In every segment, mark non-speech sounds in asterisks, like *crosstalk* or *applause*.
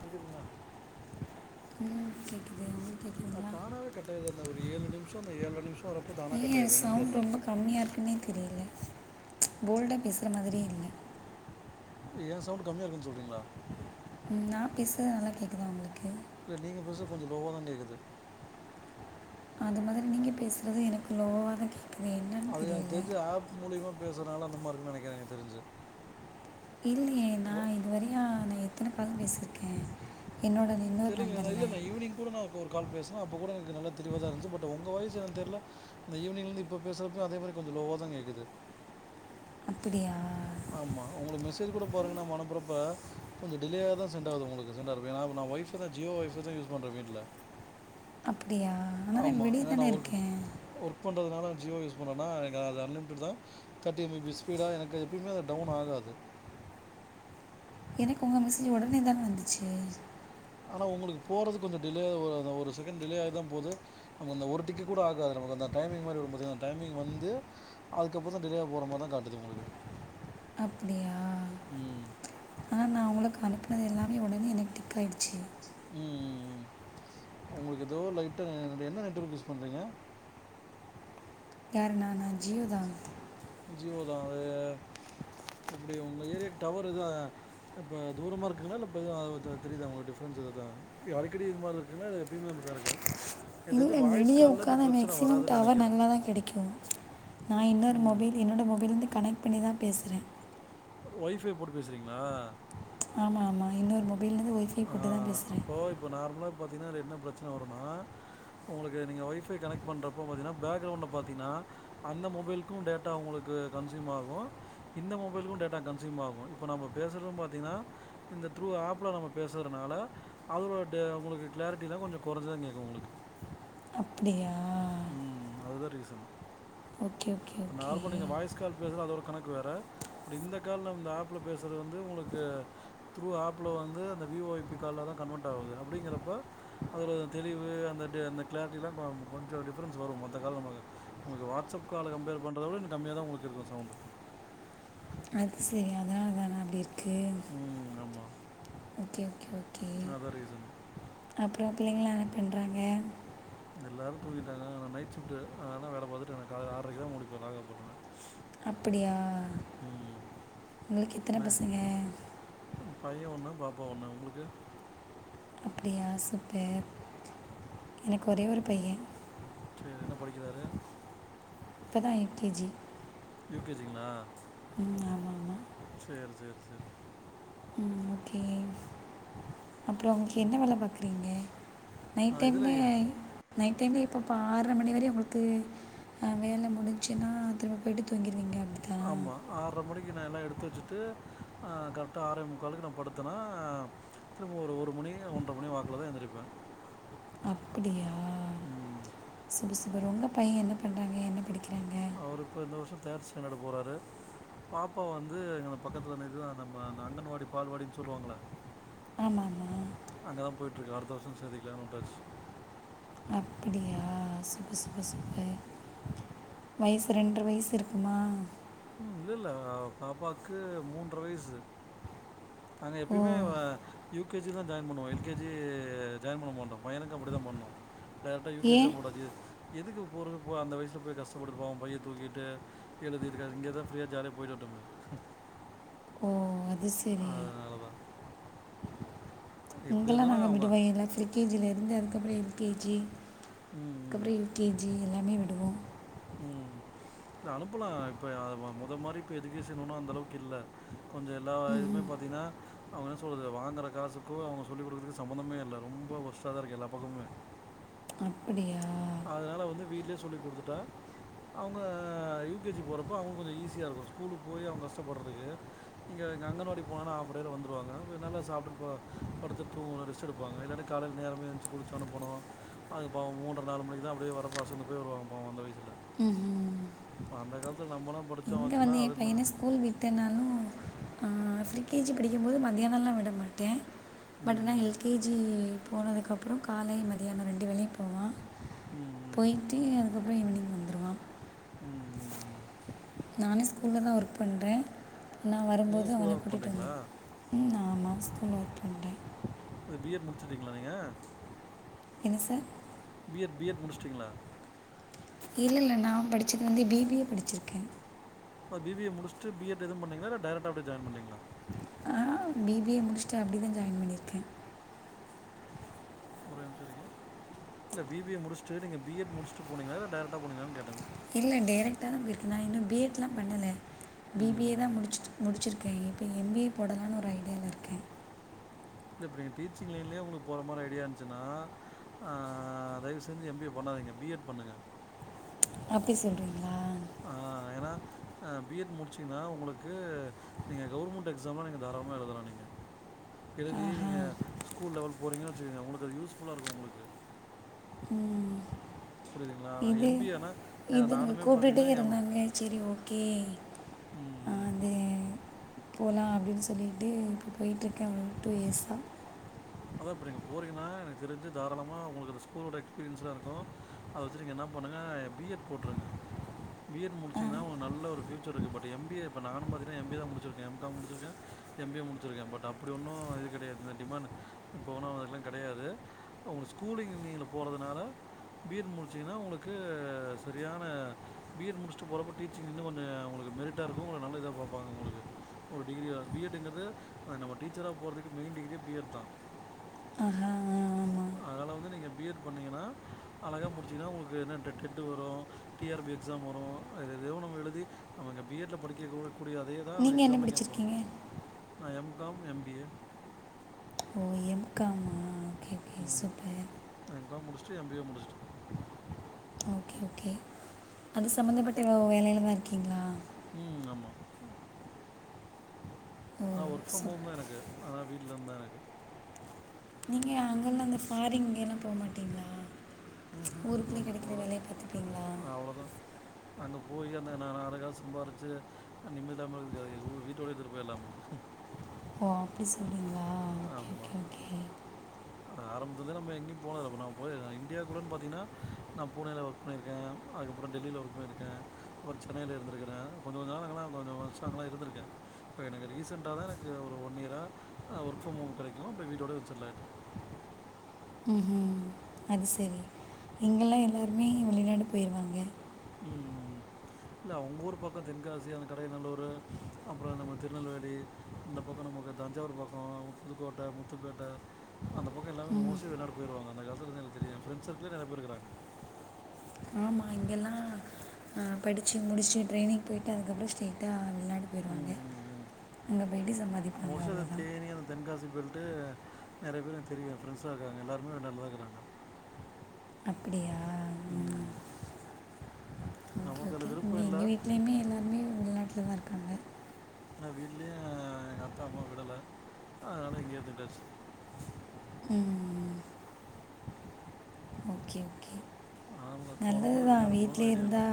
கேக்குதுங்ளா ம் கேக்குது அஹ் தானாவே கட்டாயுட்து அந்த ஒரு ஏழு நிம்சோ இந்த ஏழ்ற நிம்சோ வரப்ப தானா ஏன் கட்டாயுரது என்னனு தெர்ல போல்டா பேசுற மாறியே இல்ல ஏன் சவுண்ட்டு கம்மியாருக்குன்னு சொல்றீங்ளா நா பேசறது நல்லா கேக்குதா உங்ளுக்கு இல்ல நீங்க பேச கொஞ்சோ லோவாதா கேக்குது அது மாரி நீங்க பேசறது எனக்கு லோவாத கேக் அது எனக் தெரிஞ்சு ஆப் மூலியுமா பேஸ்றனால அந்த மாறிர்க்குனு நெனக்றே எனக் தெரிஞ்சு இல்லயே நா வ- இதுவரயோ எ த்தன கால் பேசிருக்கேன் என்னோட அந் இன்னொர் தெரியலங்க நான் நம்பர்ல இல்லை நான் ஈவினிங் கூட நான் ஒரு கால் பேஸ்னா அப்ப கூட எனக்கு நல்லா தெளிவாதாருஞ்ச்சு பட் ஒங்க வாய்ஸு ஏன் தெர்ல இந்த ஈவ்னிங்லந்து இப்ப பேஸ்றப்ப அதே மாறி கொஞ்சோ லோவா தான் கேக்குது அப்புடியா ஆமா உங்ளுக் மெசேஜ் கூட பாருங்க நாம அனப்புறப்ப கொஞ்சோ டிலேயா தா சென்டாவுது உங்ளுக்கு சென்டாறது எனா நா ஒய்ஃபை தா ஜியோ ஒய்ஃபைதா யூஸ் பண்ற வீட்ல அப் டியா ஆனா நா வெளிய தான இருக்கேன் ஒர்க் பண்ணுறதுனால ஜியோ யூஸ் பண்ணறனா எனக்கு அது அன்லிம்ட்டட் தா தெர்ட்டி எம்பி ஸ்பீடா எனக்கு எப்யுமே அது டவுன் ஆகாது எனக்கு உங்க மெசஜி ஒடனே தான வந்துச்சு ஆனால் உங்ளுக் போறதுக் கொஞ்ச டிலோவாவுது ஒரு செகண்ட் டிலே ஆய்தா போது நம்ம அந்த ஒரு டிக்கு கூட ஆகாது நமக்கு வந்தா டைமிங் மாறி வரும் பாத்திங்னா அந் டைமிங் வந்து அதுகப்புற தா டிலேவா போற மாறி தா காட்டுது உங்ளுக்கு அப்டியா ஆன் நா உங்ளுக்கு அனுப் பினது எல்லாமே ஒடனே எனக் டிக் ஆய்டுச்சு ம் ம் ம் உங்ளுக்கு ஏதோ லைட்டா என்ன நெட்ஒர்க் யூஸ் பண்றிங்க யாரு நானா ஜியோதா ஜியோ தா அது இப்டி உங்க ஏரியா டவர் எதா இப்ப தூரமாருக்குங்களா ல இப்ப எதாவுது தெரிதா உங்ளுக் டிஃப்ரென்ஸ் எதாதுதா இப்டி அடிக்கடி இது மாறி தா இருக்ங்களா எப்யுமே அப்டி தா இருக்கா எனக்கு தெரிஞ்சு இல்ல வாய்ஸ் வெளிய கால்ல இந்த உக்காந்தா பிரச்சன மேக்ஸிமம் வராதுன்னு டவர் நெனைக்கிறே நல்லா தா கேடிக்கும் நா இன்னொரு ம் மொபைல் என்னோட மொப் லிருந்து கனெக்ட் பண்ணி தா பேசுறேன் ஒய்ஃபை போட்டு பேசுறிங்ளா ஆமா ஆமா இன்னொர் மொ பைலருந்து ஒய்ஃபை போட்டு தா பேஸ்றேன் பாத்திங்னா அத்ல என்ன ப்ரச்சன வருன்னா உங்ளுக்கு நீங்க ஒய்ஃபை கனெக்ட் பண்றப்போ பாத்திங்ன்ன பேக்ரவுண்ட்ல பாத்திங்ன்னா அந்த மொபைல்க்கும் டேட்டா உங்ளுக்கு கன்ஸ்யூம் ஆகும் இந்த மொபைல்க்கும் டேட்டா கன்ஸ்யூம் ஆகும் இப்ப நம்ப பேஸ்றதும் பாத்திங்ன்னா இந்த த்ரூ ஆப்ல நமக் பேசுறனால அதோட டே உங்ளுக்கு கிளாரட்டி தா கொஞ்சோ கொறஞ்சிதா கேக்கு உங்ளுக்கு அப்டியா உம் அதுதா ரீசன் ஓகே ஓகே இப்ப ஓகே நார்மல் நீங்க வாய்ஸ் கால் பேசுன அது ஒரு கணக் அது வேற இந்த கால்ல இந்த ஆப்புல பேசுறது வந்து உங்ளுக்கு த்ரூ ஆப்புல்ல வந்து அந்த வி வோ ஐப் பி காலா தா கன்வர்ட் ஆகுது அப்டிங்குறப்ப அதல தெளிவு அந்த டே அந்த கிளார்ட்டிலா கொ கொஞ்சோ டிஃபரன்ஸ் வரும் மொத்த கால் நம்மக்கு உங்ளுக்கு வாட்ஸ்அப் கால கம்பேர் பண்றத விட இன்னு கம்மியா தா உங்ளுக் இருக்கும் சவுண்டு அத் செரி அதனாலதானா அப்டி இருக் க்கு ம் ஆமாம் ஓக்கே ஓக்கே ஓக்கே அதான் ரீசன் அப் அப்றோ பிள்ளைங்லாம் என்ன பண்றாங்க எல்லாரும் தூங்கிட்டாங்க நா நைட் சிஃப்டு அதனால வேல பாத்துட்டு எனக் காலைல ஆற்ரைக்கு தா முடிப்ப லாகவ்ட் பண்ணுவே அப்புடியா ம் உங்ளுக்கு எத்தன அண்ணே பசங்கே பையன் ஒன்னு பாப்பா ஒன்னு உங்களுக்கு அப்பிடியா சூப்பர் எனக்கு ஒரே ஒரு பையன் செரி என்ன படிக்கிறாரு இப்பதா U K G U K G -ங்களா ஆமாம் ஆமாம் செரி செரி செரி ம் ரங்க்கு என்ன வேல பார்க்கி டிங்க ஆ நைட் இதுல டைம்மே ஏ நைட் டைம்ல இப்போ - இப்ப ஆறர மணி வரயும் உங்களுக்கு அஹ்வேலை முடிஞ்சுச்சுன்னா திரும்ப போயிட்டு தூங்கிடுவீங்க அப்படிதான் ஆமா ஆர்ர மணிக்கு நான் எல்லாம் எடுத் த்து வச்சிட்டு ஆஹ் கரெக்ட்டா ஆறே முக்காலுக்கு நான் படுத்தேனா திரும்ப ஒரு - ஒரு மணி ஒன்ற மணி வாக்கில தான் எந்திரிப்பேன் அப்பிடியா உம் சூப்பர் உங்க பையன் என்ன பண்றாங்க என்ன படிக் அவரு இப்போ இந்த வருஷம் தேர்ட் ஸ்டாண்டர்ட் போறாரு பாப்பா வந்து எங்கன பக்கத்தில வந்து இது நம்ம அந்த அங்கன்வாடி பால்வாடின்னு சொல்லுவாங்கல்ல ஆமாமா அங்கதான் போயிட்டு இருக்கு அடுத்த வருஷம் சேதிக்கலான்னு விட்டாச் அப்பிடியா சூப்ப சூப்ப சூப்பர் வயசு ரெண்ட்ர வயசு இருக்குமா இல்லல்ல பாப்பாக்கு மூன்ற வயசு நாங்க ஓ எப்பயுமே யூ கே ஜி தான் ஜாயின் பண்ணுவோம் எல் கே ஜி ஜாயின் பண்ண மாட்டோம் பையனுக்கு அப்பிடித்தான் பண்ணோம் டைரெக்ட்டா யூ கே ஜீ தா ஏன் போட்டாச்சு எதுக்கு போறது அந்த வயசுல போய் கஷ்டப்பட்டுட்டு பாவம் பையத் தூக்கிட்டு எழுதிருக்கா இங்கேதான் ஃப்ரீயா ஜாலியா போயிட்டு வரட்டுமே ஓ அது செரி அதனால தான் எப்படியா இங்கல்லாம் இருந்தாலும் நாங்க அவங்க விடுவா இல்ல ப்ரி கே ஜீ -ல இருந்து அதுக்கப்புறோ எல் கே ஜி ம் ம் க்கப்பற யூ கே ஜி எல்லாமே விடுவோம் ம் இல்ல அனுப்பலாம் இப்போ அத மொதல் மாதிரி இப்போ எதுகேஷன் ஒன்னு அந்த அளவுக்கு இல்ல கொஞ்சம் எல்லா இதுவுமே பாத்தீங்கன்னா அவங்க என்ன சொல்றது வாங்குற காசுக்கோ அவங்க சொல்லிக் குடுக்குறதுக்கு சம்மந்தமே இல்ல ரொம்ப ஒர்ஸ்ட்டா தான் இருக்குது எல்லா பக்கமுமே அப்படியா ப்ச் அதனால வந்து வீட்லே சொல்லி் குடுத்துட்டா அவங்க ஆஹ் யூ கே ஜி போறப்போ அவங்களுக்கு கொஞ்சோ ஈஸியா இருக்கும் ஸ்கூலுக்கு போய் அவங்க கஷ்டப்படுறதுக்கு நீங்க இங்க அங்கன்வாடி போனன்னா ஆ ஹாஃப் டேல வந்துடுவாங்க அ நல்ல சாப்பிட்டு ப - படுத்துட்டு ரெஸ்ட் எடுப்பாங்க இல்லன்னா காலையில் நேரமே எந்ரிச்சி குளிச்சோன போனம் அது பாவோ மூன்ற நாலு மணிக்கு தான் அப்பிடியே வரப்ப அசந்து போய் வருவாங்க பாவம் அந்த வயசுல உம் உம் அந்த காலத்துல நம்மெல்லா படிச் இங்க வந்து என் பையன ஸ்கூல் விட்டன்னாலு ஆஹ் ஃப்ரீ கே ஜி படிக்கும்போது மத்தியானம்லாம் விட மாட்டே பட் என்ன ம் எல் கே ஜி போனதுக்கப்புறம் காலை மதியானம் ரெண்டு வேளையு போவா ம் ம் ம் ம் போய்ட்டு எனக் அப்புறம் ஈவினிங் வந்துருவா உம் உம் உம் நானே ஸ்கூல்ல தா ஒர்க் பண்ற நா வரம்போது நீங்கள் ஸ்கூலில் அவன தான் ஒர்க் கூட்டிட்டு வந்தே பண்ணுறீங்களா ம் ஆமா *unintelligible* பண்ற அது பி எட் முடிச்சிடீங்களா நீங்க என்ன sir B Ed B Ed முடிச்சிட்டிங்களா இல்லல்ல நா படிச்சது வந்து பி பி ஏ படிச்சிருக்கே ஆ பி பி ஏ முடிச்சுட்டு பி எட் எதும் பண்ணீங்களா இல்ல டைரக்டா அப்டியே ஜாய்ன் பண்ணிடிங்களா பி பி ஏ முடிச்சுடு அப்டி தா ஜாய்ன் பண்ணிருக்க ஒரே நிம்ஷ இருக்குங்க இல்ல பி பி ஏ முடிச்சுட்டு நீங்க பி எட் முடிச்சுட்டு போனீங்களா இல்ல டேரக்டா போனீங்களான்னு கேட்ட இல்ல டேரக்டாதா போயிருக்க நா இன்னு பி எட்லா பண்ணல பி பி ஏ தா ம். முடிச்சுட்டு முடிச்சிருக்கே இப்ப எம் பி ஏ போடலான்னு ஒரு ஐடியால இருக்கே இல்ல இப்ப நீங்க டீச்சிங் லைன்லயே உங்களுக்கு போற மாரி ஐடியா இருந்ச்சுன்னா ஆ தயவு செஞ்சு எம் பி ஏ பண்ணாதீங்க பி எட் பண்ணுங்க அப்டி சொல்றீங்ளா ஆனா ஏனா பி எட் முடிச்சிங்ன்னா உங்களுக்கு நீங்க கவுர்முண்ட் எக்ஸாம்லா நீங்க தாராளமா எழுதலா நீங்க எழுதி ஆஹா நீங்க ஸ்கூல் லெவல் போறீங்கன்னு வெச்சுகங்க உங்களுக்கு அது யூஸ்ஃபுல்லா இருக்கு உங்களுக்கு புரிதுங்களா நா எம் பி ஏ ஆனா அது நீங்க கூப்டுட்டே இருந்தாங்க செரி ஓகே ம். அது போலா அப்டின்னு சொல்லிட்டு இப்போ போயிட்டிருக்கே ஒரு டூ இயர்ஸ்ஸா அதா இப்ப நீங்க போறீங்கன்னா எனக்கு தெரிஞ்சு தாராளமா உங்களுக்கு அந்த ஸ்கூலோட எக்ஸ்பீரியன்ஸ்லா இருக்கு அத வெச்சு நீங்க என்னா பண்ணுங்க பி எட் போட்டுருங்க பி எட் முடிச்சீங்கன்னா உங்க நல்ல ஒரு ஃப்யூச்சர் இருக்கு பட் எம் பி ஏ இப்போ நானும் பாத்தீங்கன்னா எம் பி ஏ தா முடிச்சிருக்கே எம் காம் முடிச்சிருக்கே எம் பி ஏ முடிச்சிருக்கே பட் அப்பிடி ஒன்னு இது கெடையாது இந்த டிமாண்டு இப்போனா அதெல்லா கெடையாது அவங்க ஸ்கூலிங் நீல போறதுனால பி எட் முடிச்சிங்ன்னா உங்களுக்கு சரியான பி எட் முடிச்சுட்டு போறப்போ டீச்சிங் இன்னு கொஞ்ச உங்களுக்கு மெரிட்டா இருக்கு உங்கள நல்ல இதா பாப்பாங்க உங்களுக்கு ஒரு டிகிரி பி எட்டுங்கிறது அது நம்ம டீச்சரா போறதுக்கு மெய்ன் டிகிரியே பி எட் தா ஆஹா ஆ ஆ அதனால வந்து நீங்க பிஎட் பண்ணீங்கன்னா அழகா முடிச்சீங்ன்னா உங்களுக்கு என்ன டெ டெட்டு வரு டி ஆர் பி எக்ஸாம் வரு அதுல எதையோ ஒன்னு எழுதி பி எட்ல படிக்க கூடிய அதே தா நீங்கள் என்ன எக்ஸாம்ல கேப்பாங்க படிச்சிருக்கீங்க நா M Com M B A M காமா உம் நா எம் காம் முடிச் சு எம் பி ஏ முடிச்சிட்ட ஓகே ஓகே அது சம்மந்தப்பட்ட வேலையில தா இருக்கீங்களா உம் ஆமா ஓ ஆஹ சூப்பர் ஒர்க்ஃப்ரம்ஹோம் தா எனக்கு ஆனா வீட்ல இருந்தா எனக்கு நீங்கள் அங்கெல்லாம் அந்த ஃபாரிங் எல்லா போமாட்டீங்களா ச் ம் ஊருக்குள்ளேயே நம்ம கெடைக்கிற போகல வேல பாத்துபீங்களா அங்க போயி அந்த நா நாலு காஸ் சம்பாரிச்சு நா நிம்மதி இல்லாம இருகுறதுக்கு அது ஏ வீட்டோ இருந்துட்டு போயிர்லாமே ஆஃபிஸ் ஆமாம் இப்பதா நம்ப எங்கயு போனதுல்லப்ப நா போயற்ற இந்தியா குள்ளன்னு பாதிங்ன்னா நா பூனேல வர்க் பண்ணிருக்கேன் அதுகப்புற டெல்லியில ஒர்க் பண்ணிருக்கே அப்புற சென்னையில இருந்திருகிற கொஞ்சகொஞ்ச நாள் அங்கெல்லா கொஞ்ச வருஷ அங்கெல்லா இருந்திருக்க இப்போ எனக்கு ரீசண்டா தா எனக்கு ஒரு ஒன் இயரா ஆ ஒர்க்ஃப்ரம் ஹோம் கெடைக்கு அப்ப வீட்டோட வந்து செட்டில் ஆயிட்டே ம் ம் அது சரி இங்கெல்லா எல்லாருமே வெளிநாடு போயிருவாங்க ம் ம் இல்ல உங்க ஊர் பக்க தென்காசி அந்த கடையநல்லூரு அப்பற நம்ம திருநெல்வேலி இந்த பக்க நமக்கு தஞ்சாவூர் பக்கோ புதுக்கோட்டை முத்துப்பேட்டை அந்த பக்க எல்லாமே மோஸ்லி வெளிநாடு போய்ருவாங்க அந்த காலத்துல இருந்து எனக்கு தெரியு எ ஃபிரன்ட்ஸ் சர்க்களே நிறைய பேரு இருக்குறாங்க நா படிச்சி முடிச்சி ட்ரைனிங்போய்ட்டு அதுக்கப்புற ஸ்ட்ரைட்டா உம் உம் உம் போயிட்டு சம்பாதிப்பாங்க மோஸ்டா இந்த அவ்வளோதான் தேனீ அந்த தென்காசி பய நெறைய பேரு எனக்கு தெரியும் ஃப்ரண்ட்ஸ்லா இருக்காங்க எல்லாருமே வெளிநாட்லதா இருக்காங்க அப்படியா ம் ஓக்கே நமக்கு ஓக்கே அதில் இங்க விருப்பம் எங்க இல்லை வீட்லயுமே எல்லாருமே வெளிநாடு நல்லாருக்காங்க நான் வீட்லயு எங்க அப்பா அம்மா விடல அதனால இங்கயே இருந்தாச்சு உம் ஆங்க போனும் வீட்லே இருந்தா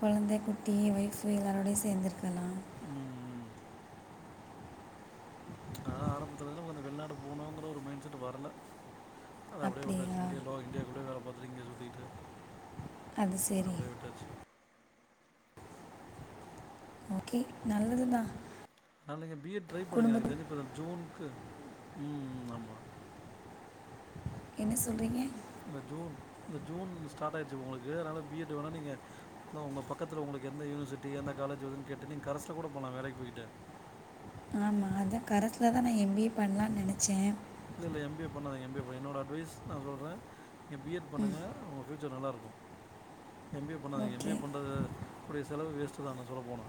கொழந்த குட் டீ ஒய்ஃபு எல்லாரோடையு சேர்ந்துருக்கலா ம் ம் ப்ச் அதான் ஆரம்பத்துலருந்து கொஞ்சோ வெள்நாடு போனுங்கிற ஒரு மைண்ட் செட் வரல அது அப்டியே விட்டாச்சு அப்படியா இங்கேலோ இந்தியா குள்ள வேல பாத்து ரிங்க சுரி இட்டு அது சரி அப்டே விட்டாச்சு ஓக்கே நல்லது தா *unintelligible* பி எட் ட்ரை பண்ணுங்க எனக்கு தெரிஞ்சு இப்ப தா ஜூன் க்கு ம் ம் ஆமா என்ன சொல்றீங்க இந்த ஜூன் இந்த ஜூன் ஸ்டார்ட் ஆயிடுச்சு உங்களுக்கு அதனால பி எட் வேணா நீங்க உங்க பக்கத்துல உங்களுக்கு எந்த யூனிவர்சிட்டி எந்த காலேஜ் எதுன்னு கேட்டு நீங்க கரஸ்ல கூட போலா வேலைக்கு போயிட்டு ஆமா அதா கரஸ்லதா நான் எம் பி ஏ பண்லான்னு நெனச்சேன் இல்ல இல்ல எம் பி ஏ பண்ணாதிங்க எம் பி ஏ பண்ண என்னோட அட்வைஸ் நான் சொல்றேன் என் பி எட் பண்ணுங்க உங்க ஃப்யு ஞ்சோ நல்லாருக்கு எம் பி ஏ பண்ணாதிங்க எம் பி ஓகே ஏ பண்றது கூடிய செலவு வேஸ்ட்டு தா நா சொல்ல போனா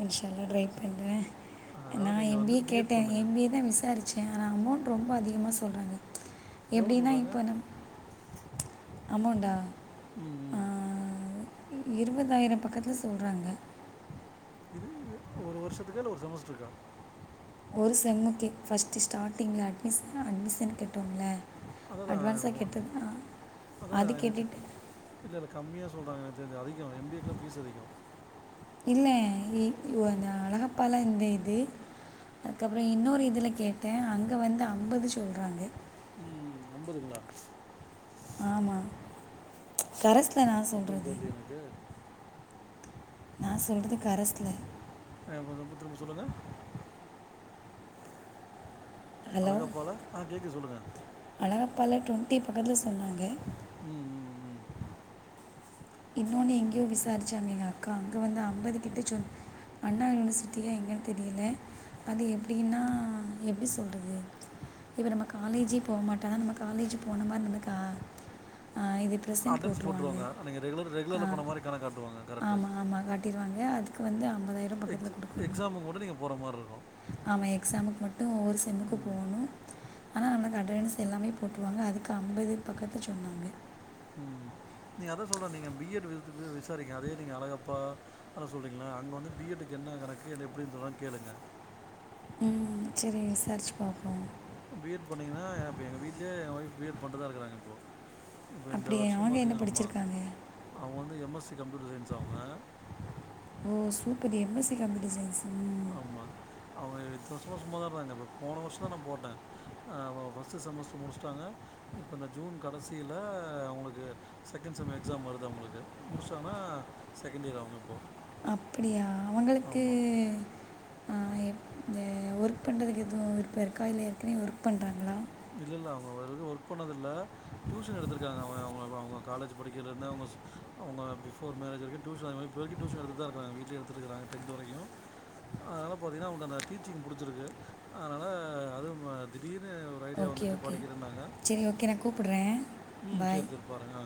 இன்ஷா அல்லா ட்ரை பண்றேன் அதனால் நான் நீங்கள் எம் பி வந்து ஏ பிஎட் கேட்டேன் பண்ணுங்கள் எம் பி ஏ தான் விசாரிச்சே ஆனா அமௌண்ட் ரொம்ப அதிகமா சொல்றாங்க எவ்வளோ எப்டின் தா சொல்கிறாங்க இப்போ நம் அமோண்டா ம் ம். இருவதாயிரம் பக்கத்தில சொல்றாங்க இரு இரு ஒரு வருஷத்துக்கா இல்ல ஒரு செமஸ்டருக்கா ஒரு செம்மு கே ஃபஸ்டு ஸ்டார்டிங்கில் அட்மிஸன் அட்மிஸன் கட்டோம்ல அதான் அட்வான்ஸா தான் கேட்டது அது கெட்டிட்டே கம்மியா சொல்றாங்க எனக்கு தெரிஞ்சு அதிகோ எம் பி ஏக் கெலா ஃபீஸ் அதிகோ இல்ல *unintelligible* அழகப்பாலா இந்த இது அதுக்கப்றோ இன்னொரு இதுல கேட்டே அங்க வந்து அம்பது சொல்றாங்க உம் அம்பதுங்களா ஆமா கரஸ் *unintelligible* நா எப்படின்னு சொல்றது தெரியல எனக்கு நான் சொல்றது கரஸ்ல எனக்கு கொஞ்சம் திரும்ப சொல்லுங்க அழகாப்பால ஆ கேக்குது சொல்லுங்க அழகப்பாள டுவன்டி பக்கத்துல சொன்னாங்க உம் உம் உம் இன்னொன்னு எங்கேயோ விசாரிச்சாங்க எங்க அக்கா அங்க வந்து ஐம்பது கிட்ட சொ அண்ணா யூனிவர்சிட்டியா எங்கன்னு தெரியல அது எப்படின்னா எப்படி சொல்றது இப்ப நம்ம காலேஜ் போக மாட்டோ நம்ம காலேஜ் போன மாதிரி நம்மளுக்கு ஆ இது ப்ரெசென்ட் அட்டன்ஸ் போட்டுருவாங்க நீங்கள் ரெகுலர் ஆ ரெகுலரில் போன மாதிரி கணக்கு காட்டுவாங்க கரெக்டு ஆமா ஆமா கண்டிப்பாக *unintelligible* *unintelligible* பக்கத்துல எக்ஸ் கொடுக்கணு எக்ஸாமுக்கு கூட நீங்கள் போகிற மாதிரி இருக்கும் ஆமா எக்ஸாமுக்கு மட்டு ஒரு செம்முக்கு ம் போணு ஆனா நமக்கு அட்வான்ஸ் எல்லாமே போட்ருவாங்க அதுக்கு அம்பது பக்கத்த சொன்னாங்க ம் நீங்க அதை சொல்ற நீங்க பி எட் விசாரிக்கங்க அதே நீங்க அழகப்பா அத சொல்றீங்களன் அங்க வந்து பி எட் டுக்கு என்ன கணக்கு எப்டின்னு சொல்லி கேளுங்க ம் சரி விசாரிச்சு பாப்போ பி எட் பண்ணீங்கன்னா இப்ப என் வீட்லயே என் ஒய்ஃப் பி எட் பன்னிட்டு தா இருக்குறாங்க இப்போ இப்ப இந்த அப்படியா வர்ஷ அவங்க என்ன பாத்தீங்க ஆமா படிச்சிருக்காங்க அவ்ங்க வந்து எம் எஸ் *unintelligible* கம்ப்யூட்டர் சயின்ஸ் அவுங்க ஓ super M S C computer science ஆமா அவங்க இத்தன வருஷமா சும்மாதா இருந்தாங்க இப்போ போன வருஷ தா நா போட்டே அ ஃபர்ஸ்ட் செமஸ்டர் முடிச்சட்டாங்க இப்ப இந்த ஜூன் கடைசியில அவங்களுக்கு செகண்ட் செம் எக்ஸாம் வருது அவங்களுக்கு முடிச்சாங்கன்னா செகண்ட் இயர் அவங்க இப்போ அப்டியா அவங்களுக்கு ஆமா. விருப்ப இருக்கா இல்ல ஏற்கனவே ஒர்க் பண்ணறாங்களா இல்ல இல்ல அவங்க வரைக்கு ஒர்க் பண்ணதில்லை டியூஷன் எடுத்திருக்காங்கங்க அவங்க அவங்க அவ அவங்க காலேஜ் படிக்கயில இருந்தே அவங்க அவங்க பிஃபோர் மேரேஜ் வரைக்கு டியூஷன் அந்த மாரி இப்போ வரைக்கு டியூஷன் எடுத்துதா இருக்கிறாங்க வீட்லயு எடுத்துடுருக்காங்க டென்த் வரைக்கு அதனால பாத்தீங்கன்னா அவங்களுக்கு அந்த டீச்சிங் புடிச்சிருக்கு அதனால அதுவு திடீர்னு ஒரு ஃப்ரியா ஓகே வந்துச்சு ஓகே படிக்கிறேன்னாங்க சரி ஓகே நான் கூப்பிடுறேன் ம் செரி பாய் செரி பாருங்க